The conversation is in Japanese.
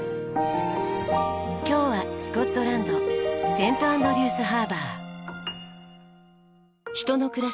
今日はスコットランドセント・アンドリュースハーバー。